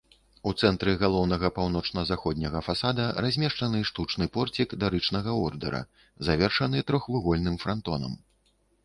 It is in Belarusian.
У цэнтры галоўнага паўночна-заходняга фасада размешчаны штучны порцік дарычнага ордэра, завершаны трохвугольным франтонам.